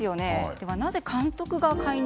ではなぜ監督が解任。